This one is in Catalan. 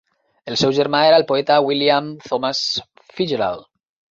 El seu germà era el poeta, William Thomas Fitzgerald.